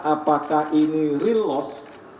apakah ini real loss